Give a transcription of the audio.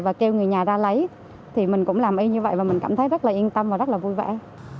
và kêu người nhà ra lấy thì mình cũng làm y như vậy và mình cảm thấy rất là yên tâm và rất là vui vẻ